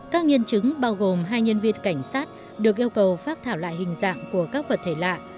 các nhân chứng bao gồm hai nhân viên cảnh sát được yêu cầu phát thảo lại hình dạng của các vật thể lạ